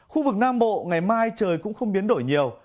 khu vực nam bộ ngày mai trời cũng không biến đổi nhiều